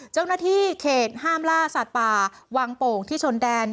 เจ้าหน้าที่เขตห้ามล่าสัตว์ป่าวังโป่งที่ชนแดน